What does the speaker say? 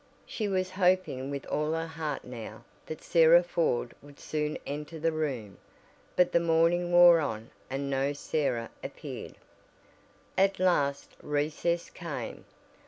She was hoping with all her heart now, that Sarah Ford would soon enter the room, but the morning wore on and no Sarah appeared. At last recess came.